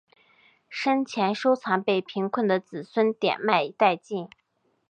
生前收藏被贫困的子孙典卖殆尽。